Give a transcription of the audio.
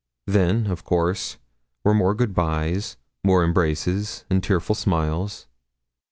Then, of course, were more good byes, more embraces, and tearful smiles.